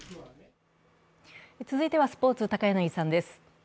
続いてはスポーツ、高柳さんです